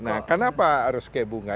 nah kenapa harus kayak bunga